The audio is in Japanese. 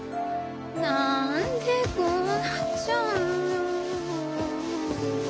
何でこうなっちゃうのよ